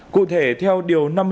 cụ thể theo điều năm mươi bảy